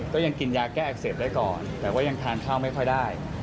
ก็ยังกินยาแก้อักเสบได้ก่อนแต่ว่ายังทานข้าวไม่ค่อยได้